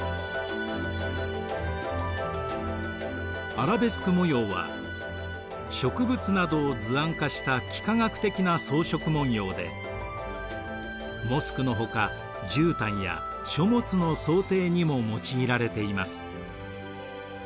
アラベスク模様は植物などを図案化した幾何学的な装飾文様でモスクのほかじゅうたんや書物の装丁にも用いられています。